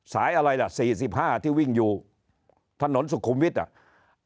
อะไรล่ะ๔๕ที่วิ่งอยู่ถนนสุขุมวิทย์อ่ะ